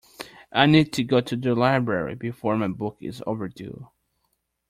I need to go to the library before my book is overdue.